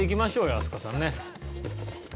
飛鳥さんね。